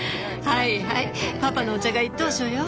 はいはいパパのお茶が一等賞よ。